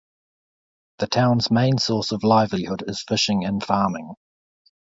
The town's main source of livelihood is fishing and farming.